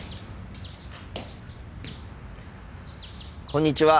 こんにちは。